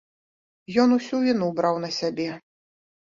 Ён усю віну браў на сябе.